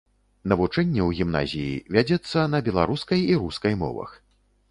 Навучэнне ў гімназіі вядзецца на беларускай і рускай мовах.